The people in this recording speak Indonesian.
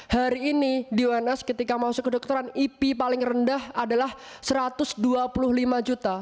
hari ini di uns ketika masuk kedokteran ip paling rendah adalah satu ratus dua puluh lima juta